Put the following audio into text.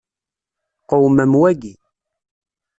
Qewmem waki.